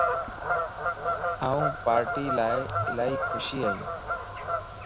آن پار ٽيءَ لا الائي خوشي ائين